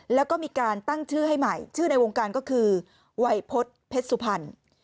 แล้วก็มีการตั้งชื่อให้ใหม่ชื่อในวงการก็คือวัยพฤษเพชรสุพรรณ